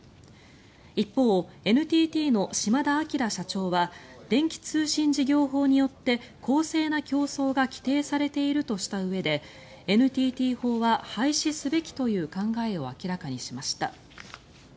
一方、ＮＴＴの島田明社長は電気通信事業法によって公正な競争が規定されているとしたうえでＮＴＴ法は廃止すべきという考えを明らかにしました。